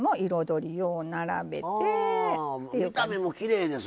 見た目もきれいですな。